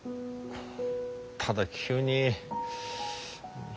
ただ急に。